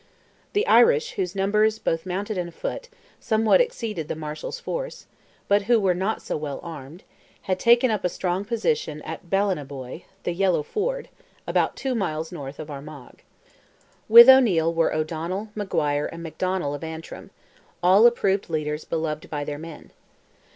The Irish, whose numbers, both mounted and afoot, somewhat exceeded the Marshal's force, but who were not so well armed, had taken up a strong position at Ballinaboy ("the Yellow ford"), about two miles north of Armagh. With O'Neil were O'Donnell, Maguire, and McDonnell of Antrim—all approved leaders beloved by their men.